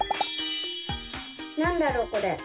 なんだろうこれ？